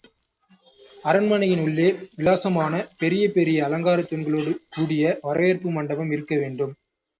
அரண்மனையின் உள்ளே விசாலமான, பெரிய பெரிய அலங்காரத் தூண்களோடு கூடிய, வரவேற்பு மண்டபம் இருக்க வேண்டும்.